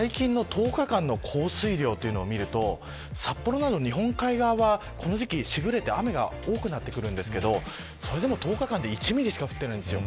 最近の１０日間の降水量を見ると札幌など日本海側は、この時期しぐれて雨が多くなってくるんですけれどそれでも１０日間で１ミリしか降ってないんですよ。